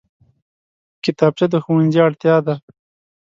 کتابچه د ښوونځي اړتیا ده